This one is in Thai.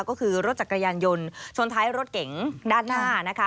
ก็คือรถจักรยานยนต์ชนท้ายรถเก๋งด้านหน้านะคะ